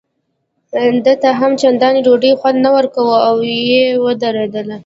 ده ته هم چندان ډوډۍ خوند نه ورکاوه او یې ودروله.